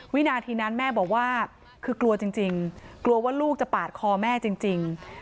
วินาทีนั้นแม่บอกว่าคือกลัวจริงกลัวว่าลูกจะปาดคอแม่จริง